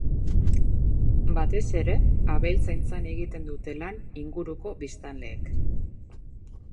Batez ere, abeltzaintzan egiten dute lan inguruko biztanleek.